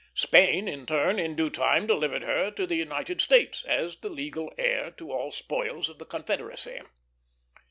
Spain, in turn, in due time delivered her to the United States, as the legal heir to all spoils of the Confederacy.